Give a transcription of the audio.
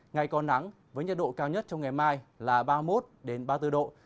ngày có nắng với nhiệt độ cao nhất trong ngày mai là ba mươi một ba mươi bốn độ